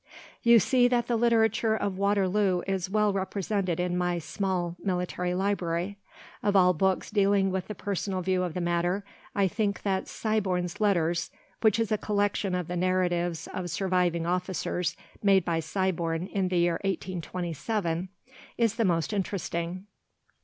You see that the literature of Waterloo is well represented in my small military library. Of all books dealing with the personal view of the matter, I think that "Siborne's Letters," which is a collection of the narratives of surviving officers made by Siborne in the year 1827, is the most interesting.